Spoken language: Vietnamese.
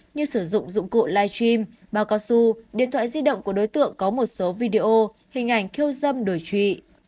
như sử dụng dụng cụ live stream bao cao su điện thoại di động của đối tượng có một số video hình ảnh khiêu dâm đổi trụy